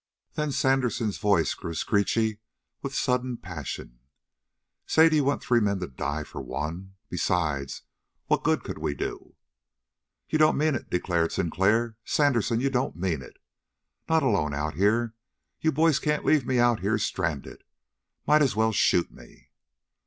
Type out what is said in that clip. Then Sandersen's voice grew screechy with sudden passion. "Say, do you want three men to die for one? Besides, what good could we do?" "You don't mean it," declared Sinclair. "Sandersen, you don't mean it! Not alone out here! You boys can't leave me out here stranded. Might as well shoot me!"